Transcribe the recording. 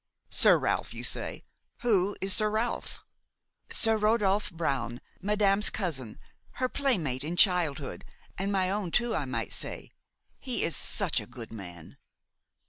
"Sir Ralph, you say? Who is Sir Ralph?" "Sir Rodolphe Brown, madame's cousin, her playmate in childhood, and my own, too, I might say; he is such a good man!"